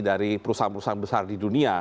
dari perusahaan perusahaan besar di dunia